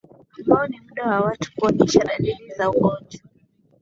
Ambao ni muda wa watu kuonyesha dalili za ugonjwa